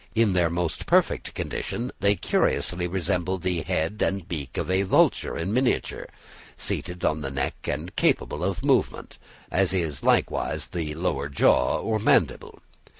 In their most perfect condition they curiously resemble the head and beak of a vulture in miniature, seated on a neck and capable of movement, as is likewise the lower jaw or mandible.